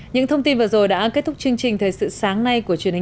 những thông tin vừa rồi đã kết thúc chương trình thời sự sáng nay của truyền hình